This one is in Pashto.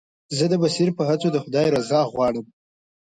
زه د صبر په هڅو د خدای رضا غواړم.